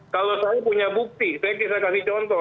kalau saya punya bukti saya bisa kasih contoh